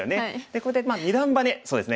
これで二段バネそうですね